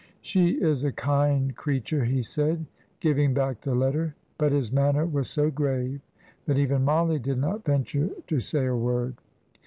"She is a kind creature," he said, giving back the letter; but his manner was so grave that even Mollie did not venture to say a word.